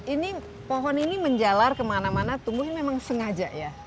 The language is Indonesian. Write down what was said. ini pohon ini menjalar kemana mana tumbuhnya memang sengaja ya